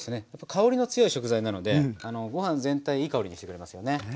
香りの強い食材なのでご飯全体いい香りにしてくれますよね。